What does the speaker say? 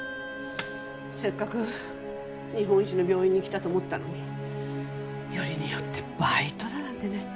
せっかく日本一の病院に来たと思ったのによりによってバイトだなんてね。